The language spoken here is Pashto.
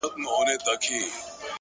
د وجود دا نيمايې برخه چي ستا ده!!